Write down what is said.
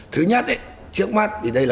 thứ nhất trước mắt thì đây là